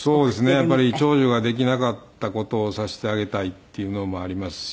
やっぱり長女ができなかった事をさせてあげたいっていうのもありますし。